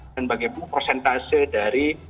dan bagaimana prosentase dari